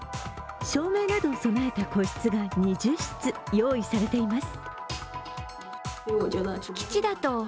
照明などを備えた個室が２０室、用意されています。